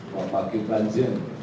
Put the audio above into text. bapak gilkan zin